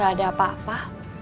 gak ada apa apa